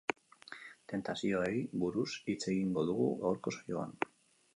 Tentazioei buruz hitz egingo dugu gaurko saioan.